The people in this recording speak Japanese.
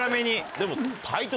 でも。